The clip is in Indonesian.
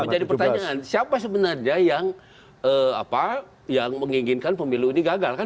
jadi pertanyaan siapa sebenarnya yang menginginkan pemilu ini gagal